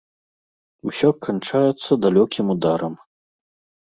Усё канчаецца далёкім ударам.